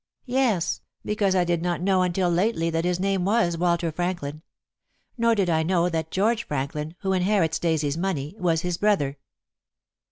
"Yes, because I did not know until lately that his name was Walter Franklin. Nor did I know that George Franklin, who inherits Daisy's money, was his brother."